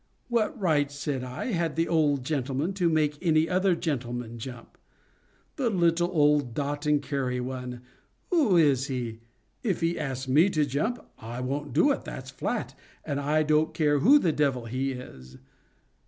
"What right," said I, "had the old gentleman to make any other gentleman jump? The little old dot and carry one! who is he? If he asks me to jump, I won't do it, that's flat, and I don't care who the devil he is."